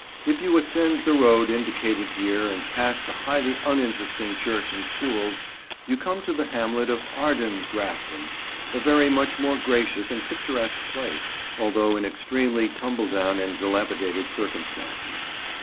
If you ascend the road indicated here and pass the highly uninteresting church and schools, you come to the hamlet of Ardens Grafton, a very much more gracious and picturesque place, although in extremely tumbledown and dilapidated circumstances.